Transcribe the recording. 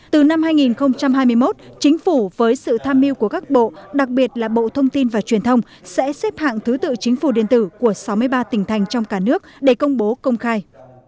từ năm hai nghìn hai mươi một chính phủ với sự tham mưu của các bộ đặc biệt là bộ thông tin và truyền thông sẽ xếp hạng thứ tự chính phủ điện tử của sáu mươi ba tỉnh thành trong cả nước để công bố công khai